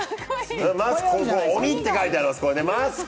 ここに「鬼」って書いてあります。